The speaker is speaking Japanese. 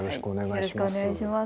よろしくお願いします。